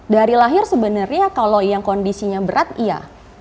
dari lahir sebenarnya kalau yang kondisinya berat iya